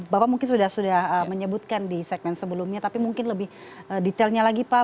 bapak mungkin sudah menyebutkan di segmen sebelumnya tapi mungkin lebih detailnya lagi pak